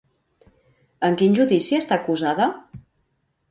En quin judici està acusada?